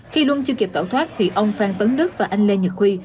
khi luân chưa kịp tẩu thoát ông phan tấn đức và anh lê nhật huy